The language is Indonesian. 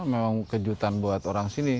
memang kejutan buat orang sini